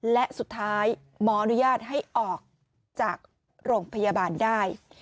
และสุดท้ายหมออนุญาตให้ออกจากโรงพยาบาลได้